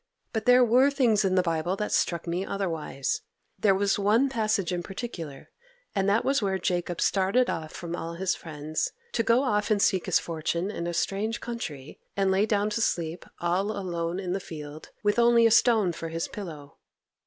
But there were things in the Bible that struck me otherwise; there was one passage in particular, and that was where Jacob started off from all his friends, to go off and seek his fortune in a strange country, and lay down to sleep all alone in the field, with only a stone for his pillow.